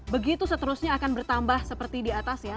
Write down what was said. begitu seterusnya akan bertambah seperti di atas ya